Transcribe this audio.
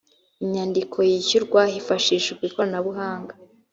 inyandiko yishyurwa hifashishijwe ikoranabuhanga